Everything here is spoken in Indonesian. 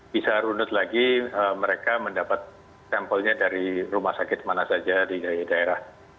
bisa runut lagi mereka mendapat sampelnya dari rumah sakit mana saja di daerah